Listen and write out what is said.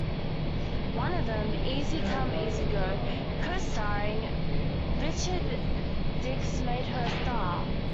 One of them, "Easy Come, Easy Go", co-starring Richard Dix, made her a star.